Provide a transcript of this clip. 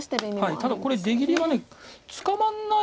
ただこれ出切りは捕まらない。